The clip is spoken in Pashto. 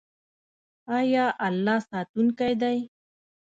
آیا الله ساتونکی دی؟